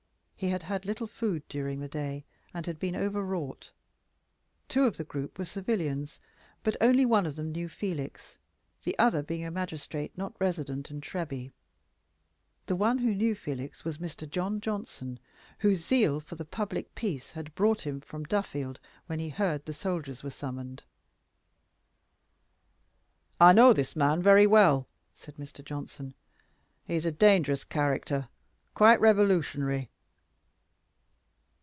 He had had little food during the day, and had been overwrought. Two of the group were civilians, but only one of them knew Felix, the other being a magistrate not resident in Treby. The one who knew Felix was Mr. John Johnson, whose zeal for the public peace had brought him from Duffield when he heard that the soldiers were summoned. "I know this man very well," said Mr. Johnson. "He is a dangerous character quite revolutionary."